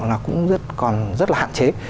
nó cũng còn rất là hạn chế